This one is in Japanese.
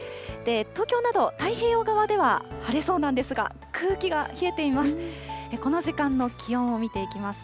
東京など太平洋側では晴れそうなんですが、空気が冷えています。